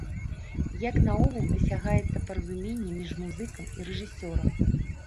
І як наогул дасягаецца паразуменне між музыкам і рэжысёрам?